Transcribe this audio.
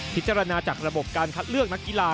พิจารณาจากระบบการคัดเลือกนักกีฬา